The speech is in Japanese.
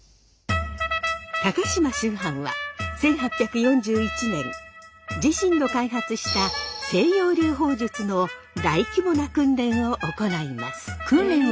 高島秋帆は１８４１年自身の開発した西洋流砲術の大規模な訓練を行います。